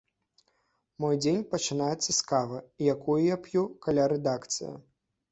Мой дзень пачынаецца з кавы, якую я п'ю каля рэдакцыі.